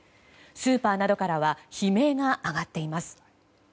スーパーなどからは悲鳴が上がっています。